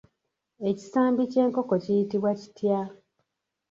Ekisambi ky'enkoko kiyitibwa kitya?